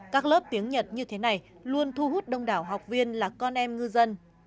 các lớp tiếng nhật như thế này luôn thu hút đông đảo học viên là con em ngư dân